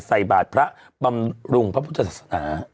ใส่บาทพระบำรุงพระพุทธศาสนา